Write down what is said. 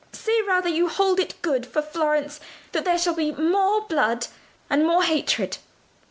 Say rather, you hold it good for Florence that there shall be more blood and more hatred.